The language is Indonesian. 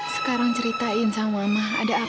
sekarang ceritain sama mama ada apa